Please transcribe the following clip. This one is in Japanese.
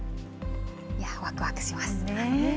わくわくしますね。